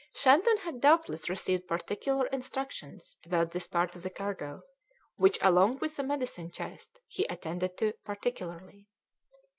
Shandon had doubtless received particular instructions about this part of the cargo, which, along with the medicine chest, he attended to particularly.